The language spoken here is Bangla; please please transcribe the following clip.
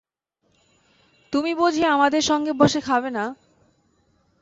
তুমি বুঝি আমাদের সঙ্গে বসে খাবে না!